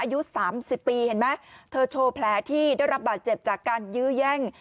อายุ๓๐ปีเห็นไหมเธอโชว์แผลที่ได้รับบาดเจ็บจากการยื้อแย่ง